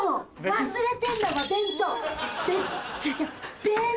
忘れてんだろ弁当。